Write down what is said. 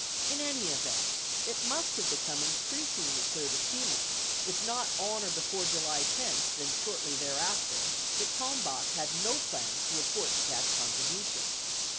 60 In any event, it must have become increasingly clear to Semer — if not on or before July 10, then shortly thereafter — that, Kalmbach had no plans to report the cash contribution.